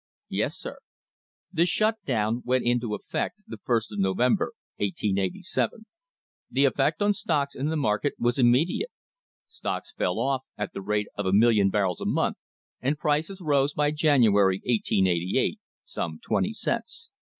Yes, sir.* The shut down went into effect the first of November, 1887. The effect on stocks and the market was immediate stocks fell off at the rate of a million barrels a month, and prices rose by January, 1888, some twenty cents.